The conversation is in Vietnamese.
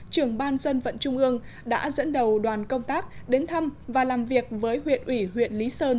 trưởng ban dân vận trung ương đã dẫn đầu đoàn công tác đến thăm và làm việc với huyện ủy huyện lý sơn